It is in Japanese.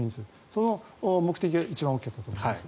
その目的が一番大きかったと思います。